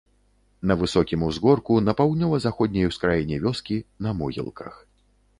На высокім узгорку, на паўднёва-заходняй ускраіне вёскі, на могілках.